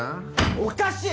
おかしい！